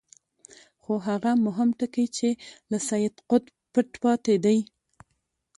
خو هغه مهم ټکی چې له سید قطب پټ پاتې دی.